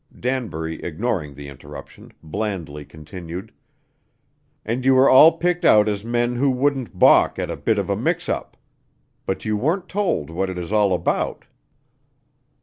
Danbury, ignoring the interruption, blandly continued: "And you were all picked out as men who wouldn't balk at a bit of a mix up. But you weren't told what it is all about.